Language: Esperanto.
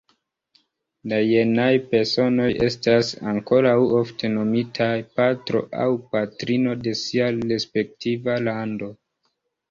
La jenaj personoj estas ankoraŭ ofte nomitaj "Patro" aŭ "Patrino" de sia respektiva lando.